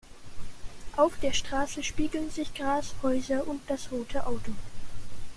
Auf der Straße spiegeln sich Gras, Häuser und das rote Auto.